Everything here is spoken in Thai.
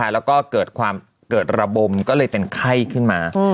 แล้วก็เกิดระบมก็เลยเป็นไข้ขึ้นมา